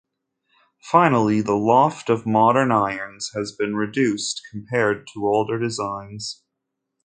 Finally, the loft of modern irons has been reduced compared to older designs.